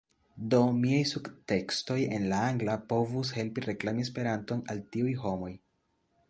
Do miaj subteksoj en la angla povus helpi reklami Esperanton al tiuj homoj